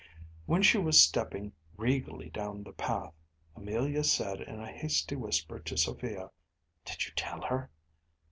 When she was stepping regally down the path, Amelia said in a hasty whisper to Sophia: “Did you tell her?